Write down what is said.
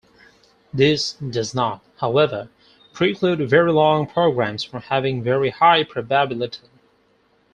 This does not, however, preclude very long programs from having very high probability.